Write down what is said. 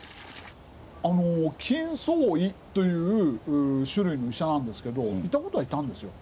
金創医という種類の医者なんですけどいたことはいたんですよ。